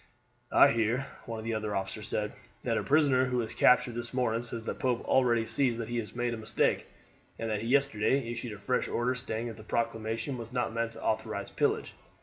"I hear," one of the other officers said, "that a prisoner who was captured this morning says that Pope already sees that he has made a mistake, and that he yesterday issued a fresh order saying that the proclamation was not meant to authorize pillage.